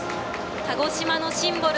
鹿児島のシンボル